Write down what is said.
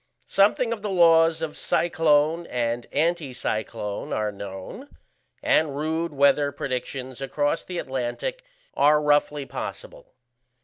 Something of the laws of cyclone and anticyclone are known, and rude weather predictions across the Atlantic are roughly possible.